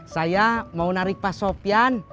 saya mau narik pak sofian